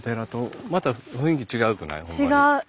違う。